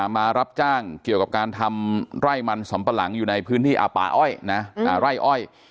มารับจ้างเกี่ยวกับการทำไร่มันสำปะหลังอยู่ในพื้นที่ป่าอ้อยนะไร่อ้อย